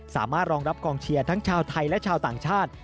สามารถรองรับกองเชียร์ทั้งชาวไทยและชาวต่างชาติ